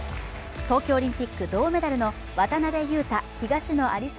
東京オリンピック・銅メダルの渡辺勇大・東野有紗